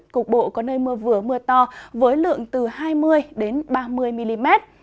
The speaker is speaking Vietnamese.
cục bộ có nơi mưa vừa mưa to với lượng từ hai mươi ba mươi mm